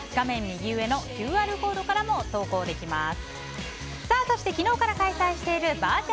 右上のＱＲコードからも投稿できます。